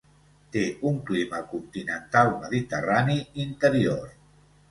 Té un clima continental mediterrani interior.